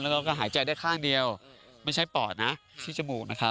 แล้วก็หายใจได้ข้างเดียวไม่ใช่ปอดนะที่จมูกนะครับ